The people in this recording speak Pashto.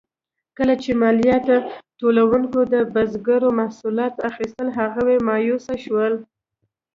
کله چې مالیات ټولونکو د بزګرو محصولات اخیستل، هغوی مایوسه شول.